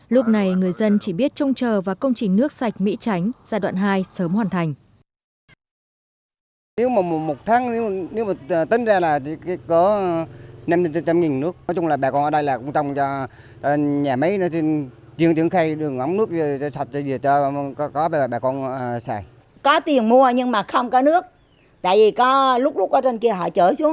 lúc này người dân chỉ biết trông chờ và công trình nước sạch mỹ tránh giai đoạn hai sớm hoàn thành